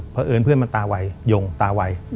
เพราะเอิญเพื่อนมันตาไวยงตาไว